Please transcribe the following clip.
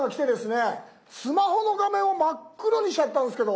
スマホの画面を真っ黒にしちゃったんすけど。